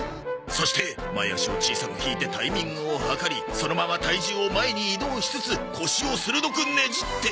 そして前足を小さく引いてタイミングを計りそのまま体重を前に移動しつつ腰を鋭くねじって。